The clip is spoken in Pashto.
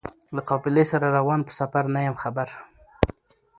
له قافلې سره روان په سفر نه یم خبر